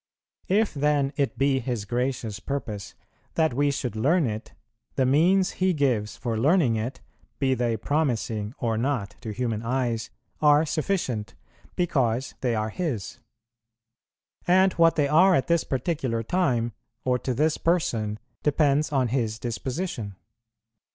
If then it be His gracious purpose that we should learn it, the means He gives for learning it, be they promising or not to human eyes, are sufficient, because they are His. And what they are at this particular time, or to this person, depends on His disposition.